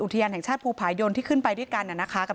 อุทยานแห่งชาติภูผายนที่ขึ้นไปด้วยกันนะคะ